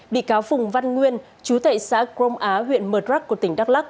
bị cáo phùng văn nguyên chú tệ xã crom á huyện mờ rắc của tỉnh đắk lắc